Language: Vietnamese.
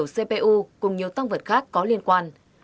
cpu cùng nhiều tăng vật khác có liên quan